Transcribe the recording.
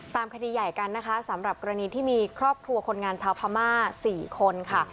คดีใหญ่กันนะคะสำหรับกรณีที่มีครอบครัวคนงานชาวพม่า๔คนค่ะ